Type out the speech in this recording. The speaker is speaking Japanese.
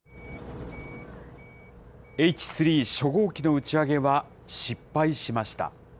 Ｈ３初号機の打ち上げは失敗しました。